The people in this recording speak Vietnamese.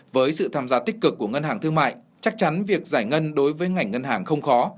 với sự tham gia tích cực của ngân hàng thương mại chắc chắn việc giải ngân đối với ngành ngân hàng không khó